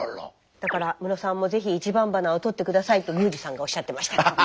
だからムロさんも是非１番花をとって下さいと宮司さんがおっしゃってました。